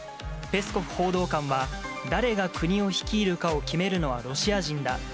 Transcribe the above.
ペスコフ報道官は、誰が国を率いるかを決めるのはロシア人だ。